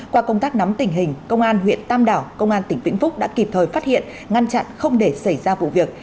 qua công tác nắm tình hình công an huyện tam đảo công an tỉnh vĩnh phúc đã kịp thời phát hiện ngăn chặn không để xảy ra vụ việc